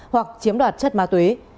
hoặc chiếm đoạt chất ma tuyển